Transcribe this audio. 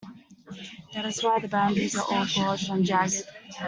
That's why its boundaries are all gouged and jagged.